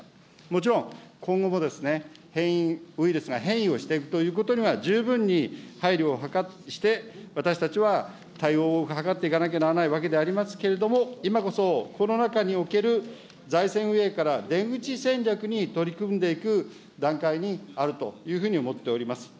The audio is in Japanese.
もちろん、今後も変異ウイルスが、ウイルスが変異をしていくということには十分に配慮をして、私たちは対応を図っていかなきゃならないわけでありますけれども、今こそ、コロナ禍における財政運営から出口戦略に取り組んでいく段階にあるというふうに思っております。